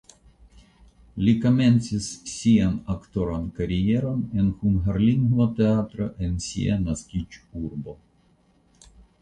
Li komencis sian aktoran karieron en hungarlingva teatro en sia naskiĝurbo.